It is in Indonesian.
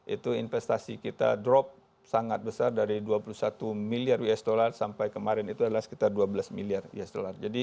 itu investasi kita drop sangat besar dari dua puluh satu miliar usd sampai kemarin itu adalah sekitar dua belas miliar usd